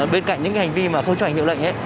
bên cạnh những cái hành vi mà không chấp hành hiệu lệnh